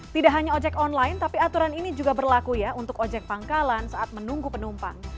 tidak hanya ojek online tapi aturan ini juga berlaku ya untuk ojek pangkalan saat menunggu penumpang